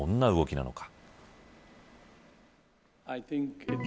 どんな動きなのか。